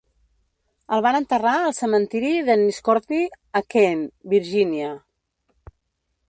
El van enterrar al cementiri d'Enniscorthy, a Keene (Virgínia).